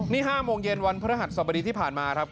นี่๕โมงเย็นวันพระหัสสบดีที่ผ่านมาครับ